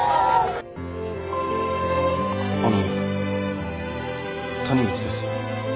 あの谷口です